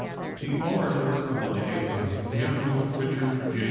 The orator of the day was General Kichard J.